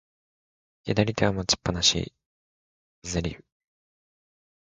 左手は持ちっぱなし、ファズリウ。